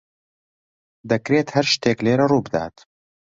دەکرێت هەر شتێک لێرە ڕووبدات.